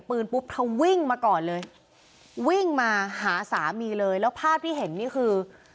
ปุ๊บเธอวิ่งมาก่อนเลยวิ่งมาหาสามีเลยแล้วภาพที่เห็นนี่คือ